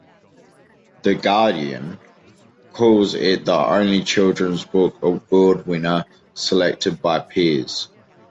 "The Guardian" calls it the only children's book award winner selected by peers.